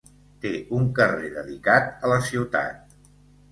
Té un carrer dedicat a la ciutat.